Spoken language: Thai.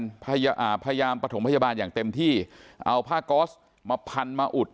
พยายามประถมพยาบาลอย่างเต็มที่เอาผ้าก๊อสมาพันมาอุด